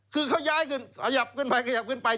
คือเขาย้ายกันขยับขึ้นไปขยับขึ้นไป